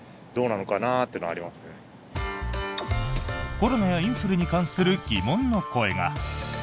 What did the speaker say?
コロナやインフルに関する疑問の声が。